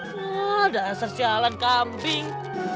nih dasar sialan kambing